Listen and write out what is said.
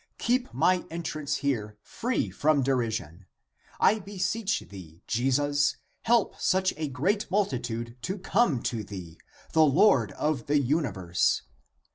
Keep my en trance here free from derision ! I beseech thee, Jesus, help such a great multitude to come to Thee, the Lord of the universe.